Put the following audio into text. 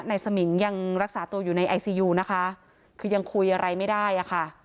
สมิงยังรักษาตัวอยู่ในไอซียูนะคะคือยังคุยอะไรไม่ได้อะค่ะ